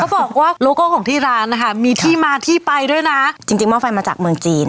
บอกว่าโลโก้ของที่ร้านนะคะมีที่มาที่ไปด้วยนะจริงจริงหม้อไฟมาจากเมืองจีน